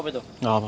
tunggu opo itu